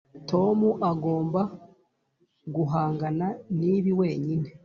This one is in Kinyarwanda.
tom agomba guhangana nibi wenyine.